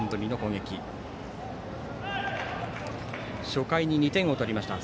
初回に２点を取りました。